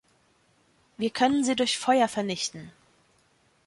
Wir können sie durch Feuer vernichten.